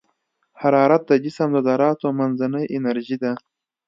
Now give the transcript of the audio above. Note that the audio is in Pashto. حرارت د جسم د ذراتو منځنۍ انرژي ده.